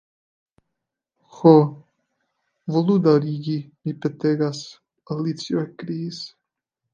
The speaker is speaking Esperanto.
"Ho, volu daŭrigi, mi petegas," Alicio ekkriis.